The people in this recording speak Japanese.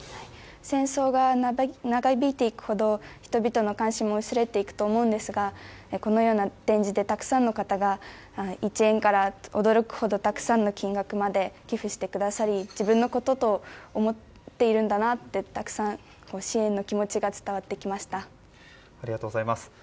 戦争が長引いていくほど人々の関心も薄れていくと思うんですがこのような展示でたくさんの人が１円から驚くほどたくさんの金額まで寄付してくださり自分のことと思っているんだなとたくさん支援の気持ちがありがとうございます。